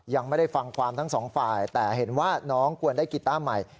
ยังไม่ได้ฟังความทั้งสองฝ่ายแต่เห็นว่าน้องควรได้กีต้าใหม่